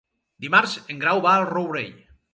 Dimarts en Grau va al Rourell.